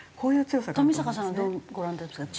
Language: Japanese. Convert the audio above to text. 富坂さんはどうご覧になりますか？